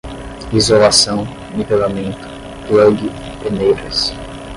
isolação, nivelamento, plug, peneiras